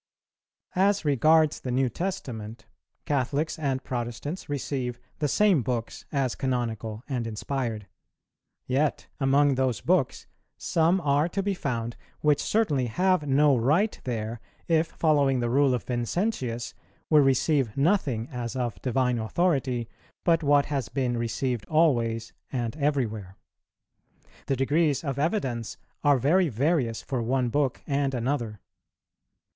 _ As regards the New Testament, Catholics and Protestants receive the same books as canonical and inspired; yet among those books some are to be found, which certainly have no right there if, following the rule of Vincentius, we receive nothing as of divine authority but what has been received always and everywhere. The degrees of evidence are very various for one book and another.